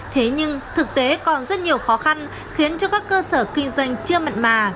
thế nhưng thực tế còn rất nhiều khó khăn khiến cho các cơ sở kinh doanh chưa mặn mà